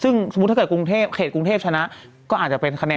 ซึ่งสมมุติถ้าเกิดกรุงเทพเขตกรุงเทพชนะก็อาจจะเป็นคะแน